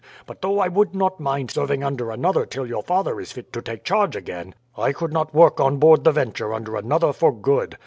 But though I would not mind serving under another till your father is fit to take charge again, I could not work on board the Venture under another for good.